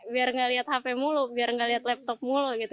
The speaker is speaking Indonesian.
biar gak liat hp mulu biar nggak lihat laptop mulu gitu